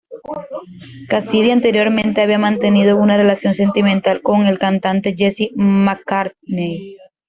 Cassidy anteriormente había mantenido una relación sentimental con el cantante Jesse McCartney.